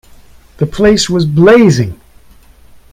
The place was blazing.